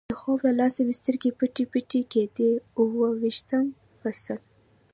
د خوب له لاسه مې سترګې پټې پټې کېدې، اوه ویشتم فصل.